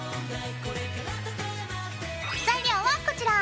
材料はこちら！